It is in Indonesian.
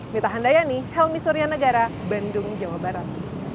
mita handayani helmi surya negara bandung jawa barat